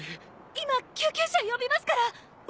今救急車呼びますから！